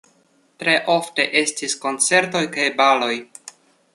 Tre ofte estis koncertoj kaj baloj.